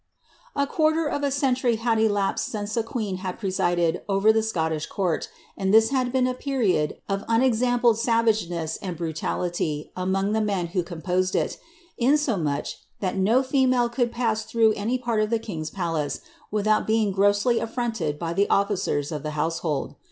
A quarter of a century had elapsed since a queen had presided over the Scottish court, and this had been a period of unexampled savageness and brutality among the men who composed it, insomuch, that no female could pass through any part of the king's palace without being grossly aflronted by the ofiicers of the household.